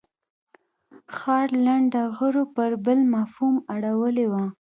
ښار لنډه غرو پر بل مفهوم اړولې وه.